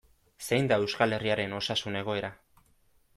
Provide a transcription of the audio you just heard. Zein da Euskal Herriaren osasun egoera?